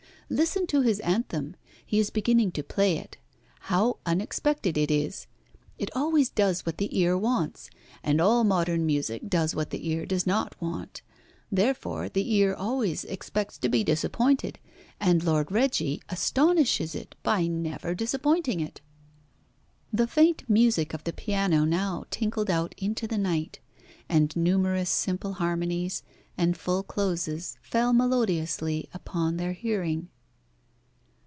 Listen to his anthem. He is beginning to play it. How unexpected it is. It always does what the ear wants, and all modern music does what the ear does not want. Therefore the ear always expects to be disappointed, and Lord Reggie astonishes it by never disappointing it." The faint music of the piano now tinkled out into the night, and numerous simple harmonies and full closes fell melodiously upon their hearing.